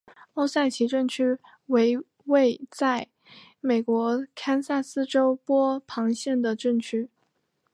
欧塞奇镇区为位在美国堪萨斯州波旁县的镇区。